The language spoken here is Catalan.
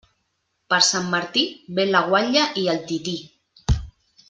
Per Sant Martí, ve la guatlla i el tití.